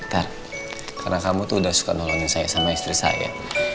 karena kamu tuh udah suka nolongin saya sama istri saya